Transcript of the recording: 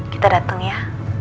kita dateng ya